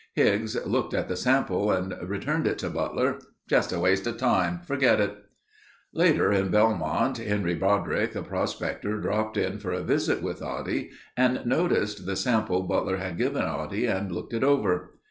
Higgs looked at the sample and returned it to Butler: "Just a waste of time. Forget it." Later in Belmont Henry Broderick, a prospector dropped in for a visit with Oddie and noticed the sample Butler had given Oddie and looked it over.